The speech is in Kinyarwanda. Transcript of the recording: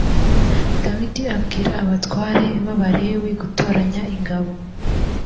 dawidi abwira abatware b’abalewi gutoranya ingabo